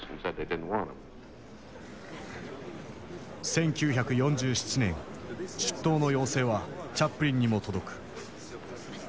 １９４７年出頭の要請はチャップリンにも届く。